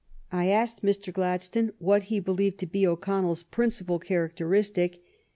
I asked Mr. Gladstone what he believed to be O'Connells principal characteristic.